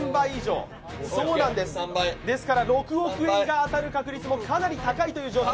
ですから６億円が当たる確率もかなり高いという状況。